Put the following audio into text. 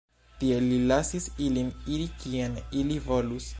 Tie li lasis ilin iri kien ili volus.